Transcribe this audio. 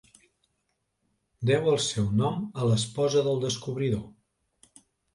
Deu al seu nom a l'esposa del descobridor.